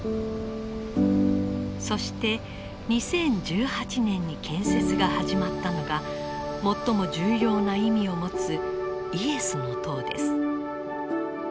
そして２０１８年に建設が始まったのが最も重要な意味を持つイエスの塔です。